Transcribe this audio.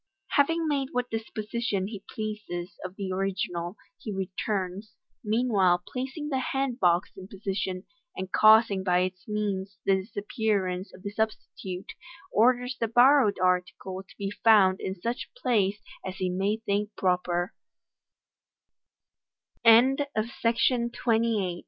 Having made what disposition he pleases of the original, he returns, meanwhile placing the hand box in position, and causing by its means the disappearance of the substitute, orders the borrowed article Id be found in such place as he may